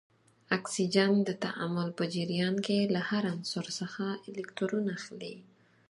اکسیجن د تعامل په جریان کې له هر عنصر څخه الکترون اخلي.